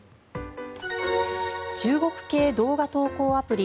中国系動画投稿アプリ